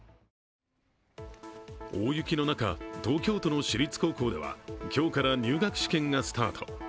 大雪の中、東京都の私立高校では今日から入学試験がスタート。